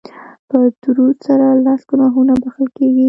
په درود سره لس ګناهونه بښل کیږي